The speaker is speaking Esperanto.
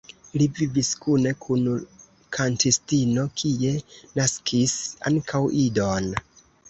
Li vivis kune kun kantistino, kie naskis ankaŭ idon.